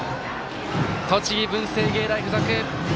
栃木、文星芸大付属。